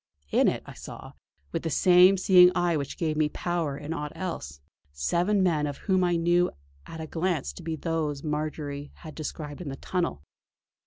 In it I saw, with the same seeing eye which gave me power in aught else, seven men some of whom I knew at a glance to be those whom Marjory had described in the tunnel.